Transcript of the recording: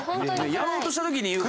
やろうとした時に言う。